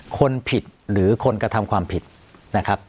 คนผิดหรือคนกระทำความผิดนะครับ